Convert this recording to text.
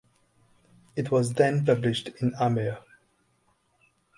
It was then published in Amer.